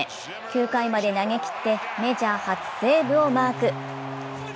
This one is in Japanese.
９回まで投げきって、メジャー初セーブをマーク。